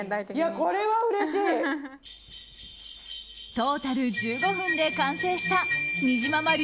トータル１５分で完成したにじまま流